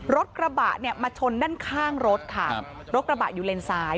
รถกระบะเนี่ยมาชนด้านข้างรถค่ะรถกระบะอยู่เลนซ้าย